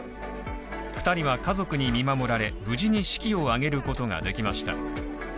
２人は家族に見守られ、無事に式を挙げることができました。